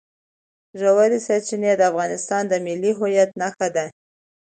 ژورې سرچینې د افغانستان د ملي هویت نښه ده.